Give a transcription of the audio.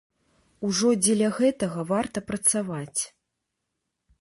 Ужо дзеля гэтага варта працаваць.